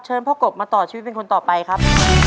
ต้นไม้ประจำจังหวัดระยองการครับ